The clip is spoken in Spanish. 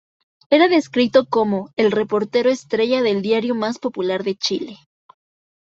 Era descrito como "el reportero estrella del diario más popular de Chile".